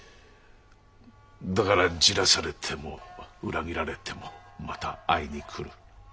だからじらされても裏切られてもまた会いに来る。